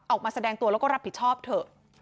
ออกมาแสดงตัวแล้วก็รับผิดชอบเถอะ